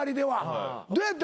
どうやった？